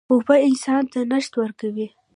اوبه انسان ته نشاط ورکوي.